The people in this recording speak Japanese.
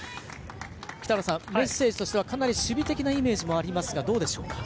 北原さん、メッセージとしてはかなり守備的なイメージもありますがどうでしょうか。